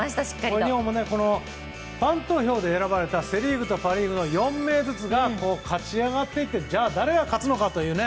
日本もファン投票で選ばれたセ・リーグとパ・リーグの４名ずつが勝ち上がっていってじゃあ、誰が勝つのかという。